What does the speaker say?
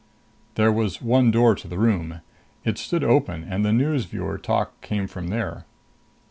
There was one door to the room. It stood open, and the news viewer talk came from there.